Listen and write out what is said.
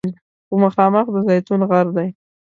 خو مخامخ د زیتون غر دی.